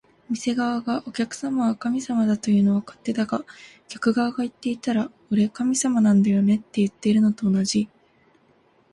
店側が「お客様は神様だ」というのは勝手だが、客側が言っていたら「俺、神様なんだよね」っていってるのと同じ